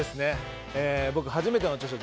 僕、初めての著書